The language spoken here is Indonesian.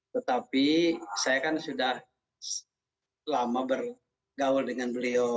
tetapi saya kan sudah lama bergaul dengan beliau